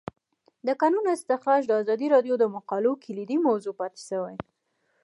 د کانونو استخراج د ازادي راډیو د مقالو کلیدي موضوع پاتې شوی.